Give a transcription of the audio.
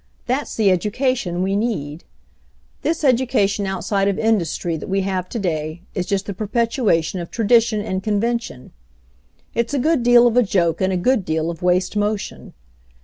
That's the education we need. "This education outside of industry that we have to day is just the perpetuation of tradition and convention. It's a good deal of a joke and a good deal of waste motion.